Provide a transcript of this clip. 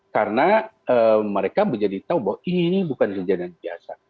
karena mereka menjadi tahu bahwa ini bukan sejajaran biasa